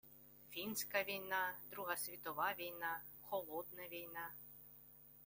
– Фінська війна, Друга світова війна, «холодна» війна